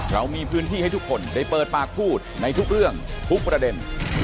เรามีพื้นที่ให้ทุกคนได้เปิดปากพูดในทุกเรื่องทุกประเด็น